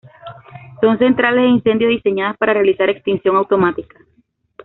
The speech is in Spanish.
Son centrales de incendio diseñadas para realizar extinción automática.